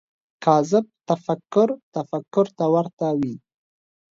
کاذب تفکر تفکر ته ورته وي